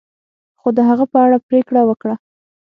خو د هغه په اړه پریکړه وکړه.